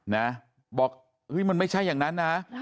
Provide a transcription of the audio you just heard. นะบอกมันไม่ใช่อย่างนั้นนะ